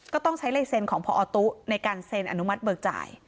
ก็ต้องใช้ลายเซ็นของพอตุ๊ในการเซ็นอนุมัติเบิกจ่าย